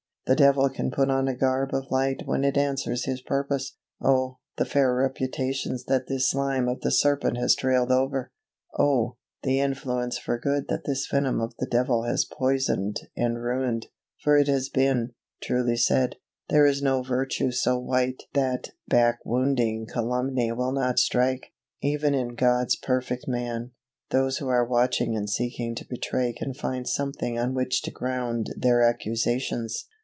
The devil can put on a garb of light when it answers his purpose. Oh, the fair reputations that this slime of the serpent has trailed over! Oh, the influence for good that this venom of the devil has poisoned and ruined, for it has been, truly said, "There is no virtue so white that back wounding calumny will not strike" even in God's perfect man, those who are watching and seeking to betray can find something on which to ground their accusations.